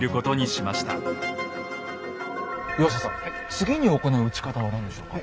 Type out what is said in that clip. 次に行う撃ち方は何でしょうか？